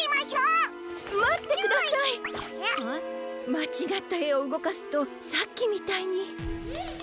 まちがったえをうごかすとさっきみたいに。